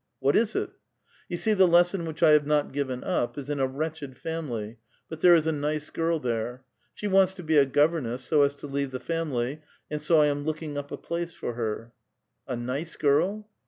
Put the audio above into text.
'* What is It?" " You see the lesson which I have not given up is in a wretched family, but there is a nice girl there. She wants to be a governess, so as to leave the family, and so I am looking up a place for her." "A nice girl?"